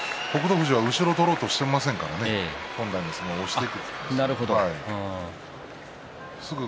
富士は後ろを取ろうとしていませんからね本来の相撲、押して前に。